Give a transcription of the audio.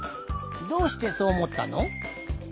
どうしてそうおもったの？